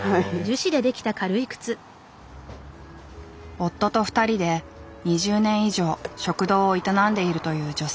夫と２人で２０年以上食堂を営んでいるという女性。